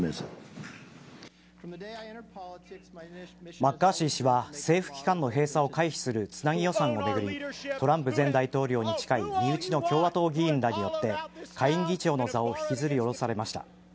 マッカーシー氏は政府機関の閉鎖を回避するつなぎ予算を巡りトランプ前大統領に近い身内の共和党議員らによって下院議長の座を引きずり降ろされました。